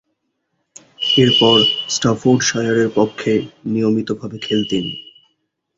এরপর স্টাফোর্ডশায়ারের পক্ষে নিয়মিতভাবে খেলতেন।